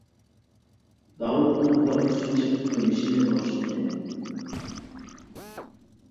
داۋۇت دىڭ قۇلاق ئۈچىنچى قېتىم بېشىنى لىڭشىتتى.